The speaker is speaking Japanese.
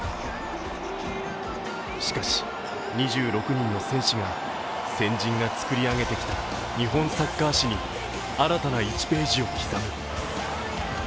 しかし２６人の戦士が先人がつくりあげてきた新たなサッカー史に新たな１ページを刻む。